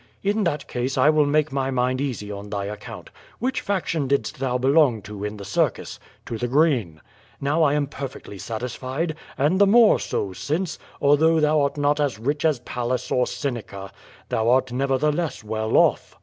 "In that case I will make my mind easy on thy account. Which faction didst thou belong to in the circus?" 'To the Green." "Now I am perfectly satisfied, and the more so since, al though thou art not as rich as Pallas or Seneca, thou art nev QUO VADI8. 9 ertheless well off.